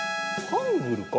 ハングルか？